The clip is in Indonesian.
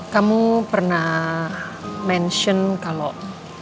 kamu pernah mention kalau